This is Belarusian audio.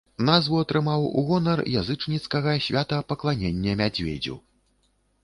Назву атрымаў у гонар язычніцкага свята пакланення мядзведзю.